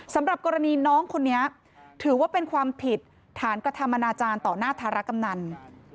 สำหรับกรณีน้องคนนี้ถือว่าเป็นความผิดฐานกระทำอนาจารย์ต่อหน้าธารกำนัน